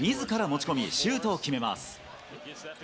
持ち込み、シュートを決めます。